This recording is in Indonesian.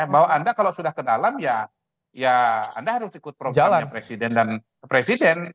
bahwa anda kalau sudah ke dalam ya anda harus ikut programnya presiden dan presiden